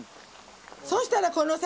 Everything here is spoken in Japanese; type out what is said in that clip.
そしたらこのさ。